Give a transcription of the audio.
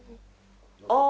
ああ。